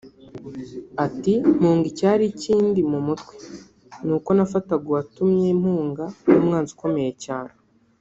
Ati “Mpunga icyari kindi mu mutwe ni uko nafataga uwatumye mpunga nk’umwanzi ukomeye cyane